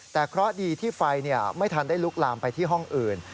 แต่เคราะห์ดีที่ไฟไม่ทันได้ลุกลามไปที่ห้องอื่น